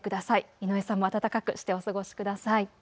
井上さんも暖かくしてお過ごしください。